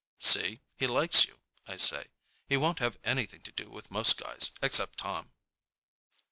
"See? He likes you," I say. "He won't have anything to do with most guys, except Tom."